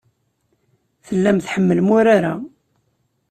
Tellam tḥemmlem urar-a.